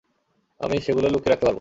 আমি সেগুলো লুকিয়ে রাখতে পারব।